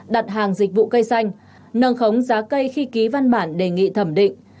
đặt hàng dịch vụ cây xanh nâng khống giá cây khi ký văn bản đề nghị thẩm định